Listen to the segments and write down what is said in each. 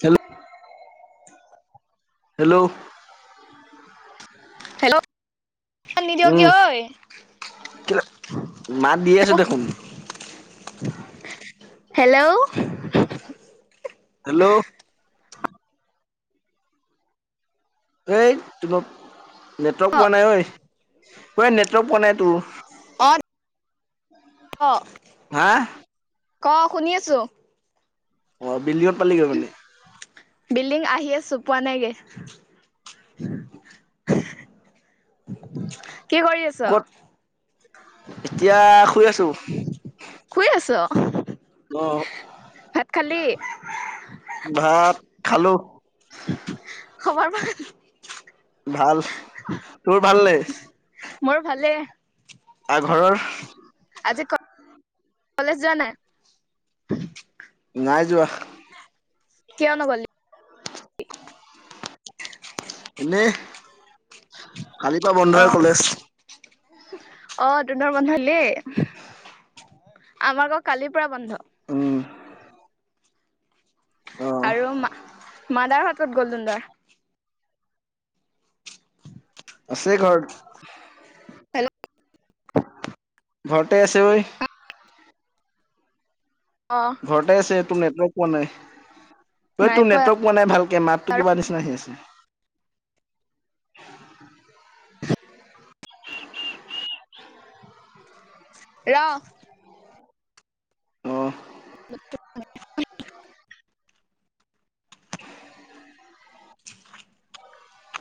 Hello hello, hello মাত নিদিয় উম কিয় ঐ। মাত দি আছো দেখোন হেল্ল' হেল্ল' এ নেটৱৰ্ক অ পোৱা নাই ঐ নে নেটৱৰ্ক পোৱা নাই তোৰ। ক হা ক শুনি আছো? অ' বিল্ডিংত পালিগৈ মানে। বিল্ডিং আহি আচো পোৱা নাই গে। [inaudible] আছ কত এতিয়া শুই আছো। শুই আছ। অ', ভাত খালি ভাত খালো। খবৰ পা ভাল তোৰ ভাল নে মোৰ ভালে আৰু ঘৰৰ আজি কলেজ যোৱা নাই? নাই যোৱা। কিয় নগলি? এনেই কালিপৰা অ বন্ধই কলেজ অ তহঁতৰ বন্ধ দিলেই আমাৰ আক' কালিৰ পৰা বন্ধ উম, অ আৰু মা মাদাৰ হাতত গ'ল তহঁতৰ আছে হেল্ল' ঘৰতে ঘৰতে আছে ঐ অ ঘৰতে আছে তোৰ নেটৱৰ্ক পোৱা নাই। ঐ তোৰ নেটৱৰ্ক পোৱা নাই ভালকে মাততো কিবা নিচিনা আহি আছে ৰ অ', [inaudible]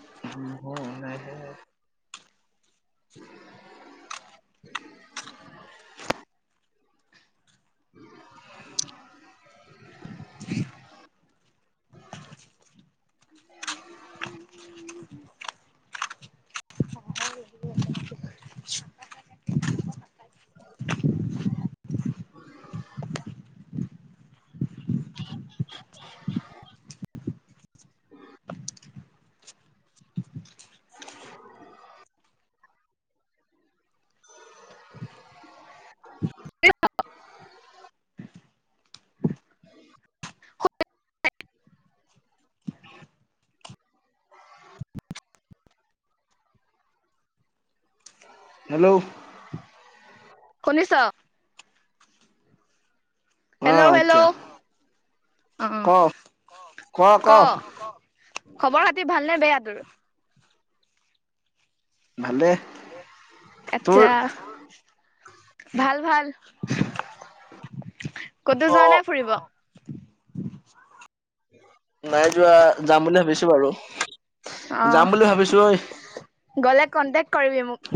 [inaudible] [inaudible] [inaudible] [inaudible] হেল্ল' শুনিছ অ হেল্ল' হেল্ল' এতিয়া অ, ক ক খবৰ খাতি ভালনে বেয়া? [inaudible] ভালে তোৰ। আচ্ছা ভাল, ভাল। অ নাই যোৱা, যাম বুলি ভাবিছো বাৰু অ, যাম বুলি ভাবিছো ঐ গলে কণ্টেক্ট কৰিবি মোক।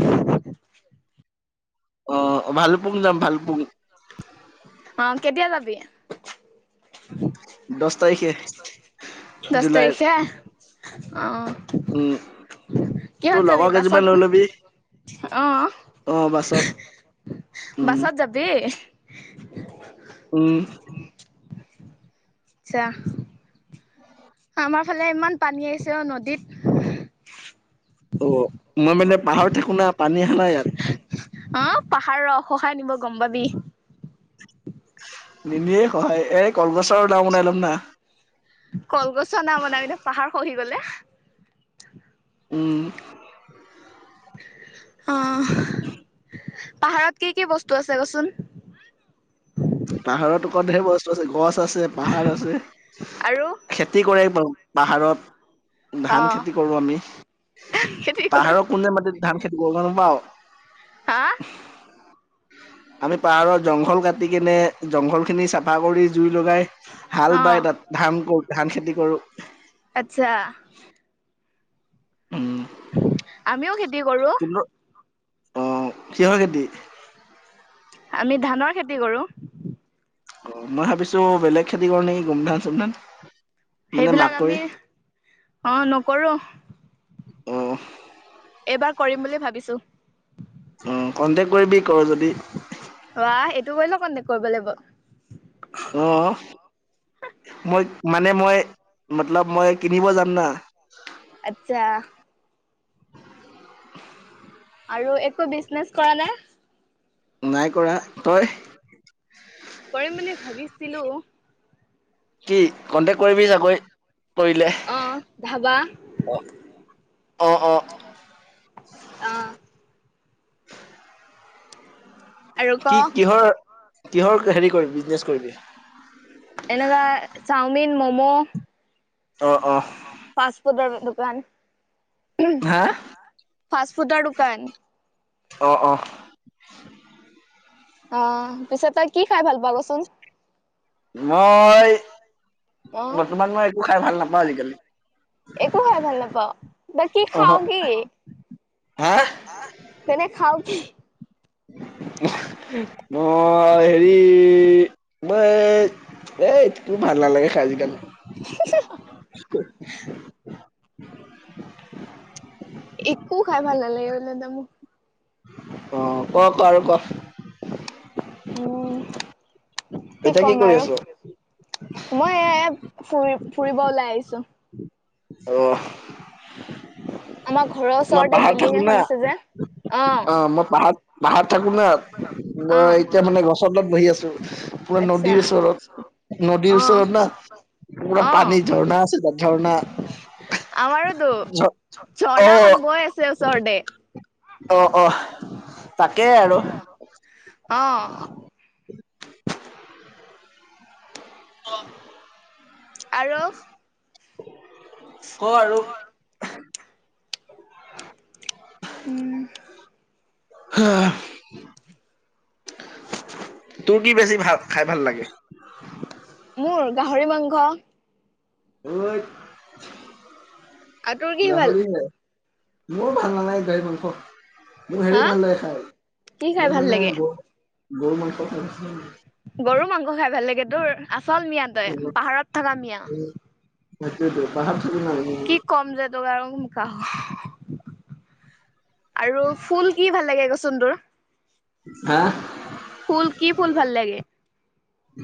অ, ভালুক পুং যাম ভালুক পুং। অ, কেতিয়া যাবি? দচ তাৰিখে। দহ জুলাইত তাৰিখে অ' উম তোৰ কিহত যাবি লগৰ কেইজনীমান লৈ বাছত লবি অ', উম বাছত যাবি। উম'। আতছা। আমাৰ ফালে ইমান পানী আহিছে অ' নদীত। ত মই মানে পাহাৰত থাকো ন পানী আহা নাই ইয়াত। অ' পাহাৰ ৰহ খহায় নিব গম পাবি। নিনিয়ে সহায় এই কলগছ কলগছৰ নাও বনাবি ন পাহাৰ খহি গলে। উম'। অহ, পাহাৰত কি, কি বস্তু আছে কচোন। পাহাৰত, ঢেৰ বস্তু আছে গছ আছে পাহাৰ আছে, আৰু খেতি কৰে পাহাৰত। অ ধান খেতি কৰো আমি, খেতি কৰো পাহাৰৰ কোনে মাটিত ধান খেতি বৰষুণ নাপাৱ। হা আমি পাহাৰত জংঘল কাটিকিনে, জংঘলখিনি চাফা কৰি জুই লগাই হাল অ বাই তাত ধান কৰো, ধান খেতি কৰো। আচ্ছা উম'। আমিও খেতি কৰো। কিন্তু অ' কিহৰ খেতি আমি ধানৰ খেতি কৰোঁ। অ মই ভাবিছো বেলেগ খেতি কৰ নেকি গোমধান চুমধান। সেইবিলাক আমি অ নকৰো। অ', এইবাৰ কৰিম বুলি ভাবিছোঁ। অহ, কণ্টেক কৰিবি কৰ যদি। আহ এইটো কৰিলে কণ্টেক্ট কৰিব লাগিব। অ'। মই মানে মই, মতলব মই কিনিব যাম না। আতছা। আৰু একো বিজনেচ কৰা নাই। নাই কৰা তই। কৰিম বুলি ভাবিছিলো। কি কন্টেক্ট কৰিবি চাগৈ। কৰিলে অ ধাবা অ-অ-অ, অ', আৰু ক কি কিহৰ, কিহৰ হেৰি কৰিবি বিজনেচ কৰিবি। এনেকুৱা চাওমিন মম'। অ অ ফাষ্ট ফুডৰ দোকান হা। ফাষ্টফুডৰ দোকান অ অ অ পিছে তই কি খাই ভাল পাৱ' কচোন মই অ বৰ্তমান মই একো খাই ভাল নাপাওঁ আজিকালি একো খাই ভাল নাপাৱ বাকী অহ খাৱ' কি হা তেনে খাৱ' কি মই হেৰি এই এটকো ভাল নালাগে খাই আজিকালি [inaudible] একো খাই ভাল নালাগে বোলে [unintelligible] অ ক ক আৰু ক উম কি এতিয়া ক'ম কৰি আৰু আছ মই এ ফুৰি ফুৰিব ওলাই আহিছো অ' আমাৰ ঘৰৰ মই ওচৰতে পাহাৰত বিল্ডিং থাকো না এখন আছে যে অ মই পাহাৰ পাহাৰত থাকো ন অ মই এতিয়া মানে গছৰ তলত বহি আছো পুৰা নদীৰ ওচৰত [inaudible] নদীৰ অ ওচৰত না পুৰা অ পানী ঝৰ্ণা আছে তাত ঝৰ্ণা আমাৰোতো অ ঝৰ্ণাখন বৈ আছে ওচৰতে অ', -অ'। তাকেই আৰু অ [inaudible] অ আৰু ক আৰু উম হা। তোৰ কি বেছি ভাল খাই ভাল লাগে। মোৰ গাহৰি মাংস। অ আৰু তোৰ কি ভাল মোৰ ভাল নালাগে, গাহৰি মাংস মোৰ হেৰি হা ভাল লাগে খাই। কি খাই মোৰ ভাল মানে লাগে গৰু, গৰু মাংস গৰু মাংস খাই ভাল লাগে তোৰ আচল মিঞা তয় পাহাৰত থকা মিঞা সেইটোৱেটো পাহাৰত থাকো না আমি। কি কম যে তোক আৰু আৰু ফুল কি ভাল লাগে কচোন তোৰ। হা ফুল কি ফুল ভাল লাগে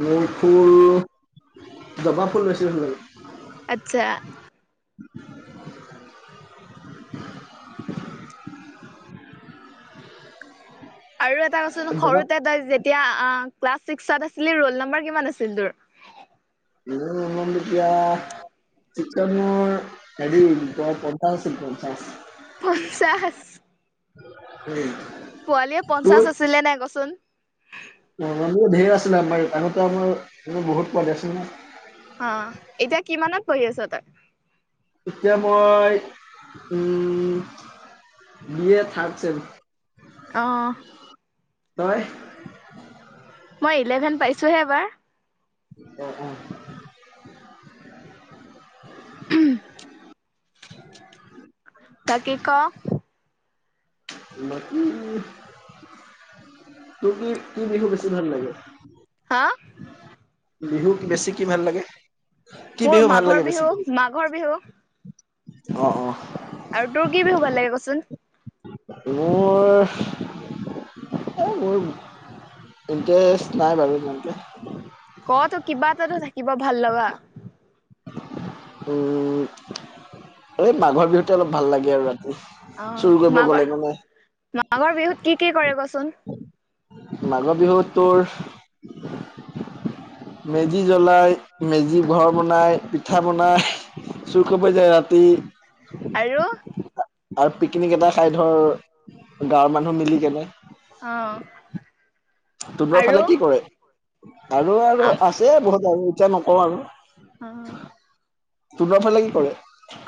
মোৰ ফুল জবা ফুল [unintelligible] আতচ্ছা [unintelligible] আৰু এটা কচোন জবা সৰুতে তয় যেতি -য়া ক্লাছ ছিক্সত আছিল ৰোল নাম্বাৰ কিমান আছিল তোৰ এতিয়া চিকেনৰ হেৰি কি কয় [unintelligible] পঞ্চাশ, উম পোৱালীয়ে তোৰ পঞ্চাশ আছিলে নাই কচোন। [unintelligible] ঢেৰ আছিলে আমাৰ আন আমাৰ বহুত পোৱালি আছিল ন কি পঢ়ি আছ তই এতিয়া মই উম, বি এ থাৰ্ড চেম। অ'। নহয় মই ইলেভেন পাইছোহে এবাৰ অ অ বাকী ক বাকী তোৰ কি, কি বিহু বেছি ভাল লাগে। [unintelligible] বিহু বেছি কি ভাল লাগে? কি বিহু মোৰ ভাল লাগে মাঘৰ বেছি? বিহু মাঘৰ বিহু অ', অ',। আৰু তোৰ কি বিহু ভাল লাগে কচোন মোৰ মোৰ ইণ্টাৰেষ্ট নাই বাৰু ইমানকে ক তো কিবা এটাতো থাকিব ভাল লগা। উম। এই মাঘৰ বিহুতে অলপ ভাল লাগে আৰু ৰাতি অ', চুৰ কৰিব গ'লে মানে। মাঘৰ মাঘৰ বিহুত কি কি কৰে কচোন। মাঘৰ বিহুত তোৰ মেজি জ্বলায় মেজি ঘৰ বনাই পিঠা বনাই [unintelligible] যায় ৰাতি আৰু। আৰু পিকনিক এটা খাই ধৰ গাঁৱৰ মানুহ মিলি কেনে [inaudible] অ তোহোতৰ ফালে কি কৰে আৰু আৰু আছে বহুত আৰু এতিয়া নকওঁ আৰু অ তোহঁতৰ ফালে কি কৰে?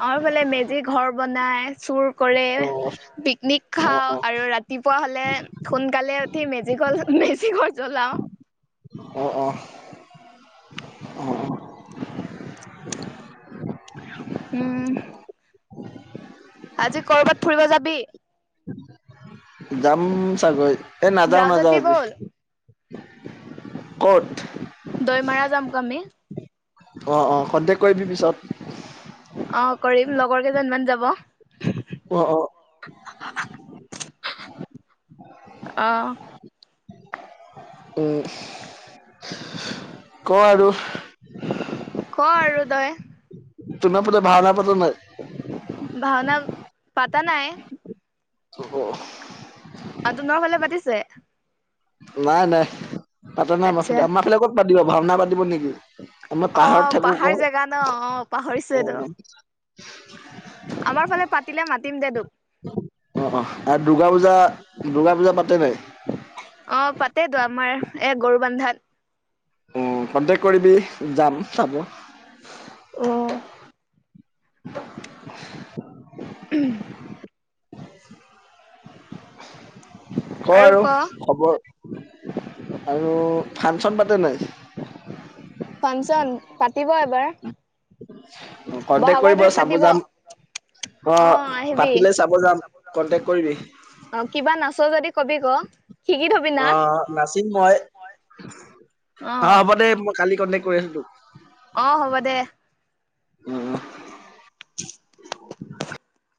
আমাৰ ফালে মেজি ঘৰ বনাই। চুৰ কৰে অ'। পিকনিক অ অ খাওঁ আৰু ৰাতিপুৱা হ'লে সোনকালে ঠি মেজিকল মেজিকল জলাওঁ অ', অ', অ ', অ',। উম। আজি কৰবাত ফুৰিব যাবি যাম চাগৈ এ নাযাও, যাও নাযাও যদি আজি বল ক'ত দৈমাৰা যামক যাবি অ অ কন্টেক কৰিবি পিছত অ', কৰিম লগৰ কেইজনমান যাব। অ', অ', আহ, [inaudible] উম ক আৰু ক আৰু তই। [unintelligible] পতি ভওনা পাতা নাই। ভাওঁনা পাতা নাই অ [unintelligible] ফালে পাতিছে। নাই, নাই আচ্ছা [unintelligible] আমাৰ ফালে ক'ত পাতিব ভাওনা পাতিব নেকি আমাৰ অ পাহাৰত থাকো পাহাৰ ক জেগা ন পাহৰিছে তো অ',। আমাৰ ফালে পাতিলে মাতিম দে তোক অ', অ ', আৰু দুূৰ্গা, পূজা দুূৰ্গা, পূজা পাতে নাই অ পাতেতো আমাৰ এ গৰু বান্ধাত অ কণ্টেক কৰিবি যাম চাব উম [inaudible] উম ক আৰু খবৰ আৰু ফাংচন পাতে নাই ফাংচন পাতিব এবাৰ কন্টেক্ট বহাগৰ কৰিব বিহুত চাব পাতিব অ যাম অ', আহিবি পাতিলে চাব যাম কন্টেক কৰিবি। অ কিবা নাচ' যদি কবি আক' অ নাচিম মই অ হ'ব দেই মই কালি কন্টেক্ট কৰি আছো তোক অ হ'ব দে উম [inaudible] [unintelligible]